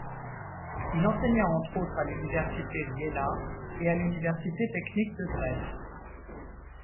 Il enseigna entre autres à l'université d'Iéna et à l'université technique de Dresde.